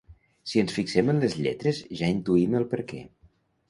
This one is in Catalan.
Si ens fixem en les lletres ja intuïm el perquè.